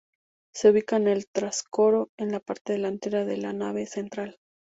Se ubica en el trascoro, en la parte delantera de la nave central.